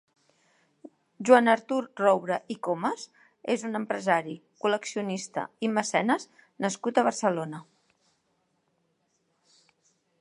Joan-Artur Roura i Comas és un empresari, col·leccionista i mecenes nascut a Barcelona.